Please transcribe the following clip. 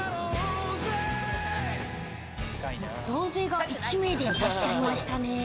男性が１名でいらっしゃいましたね。